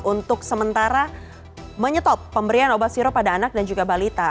untuk sementara menyetop pemberian obat sirup pada anak dan juga balita